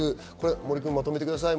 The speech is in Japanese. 森君、まとめてください。